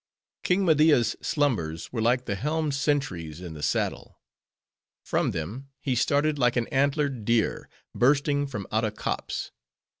King Media's slumbers were like the helmed sentry's in the saddle. From them, he started like an antlered deer, bursting from out a copse.